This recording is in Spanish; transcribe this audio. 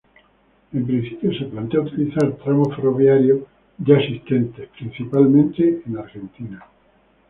En principio se plantea utilizar tramos ferroviarios ya existentes, principalmente en Argentina.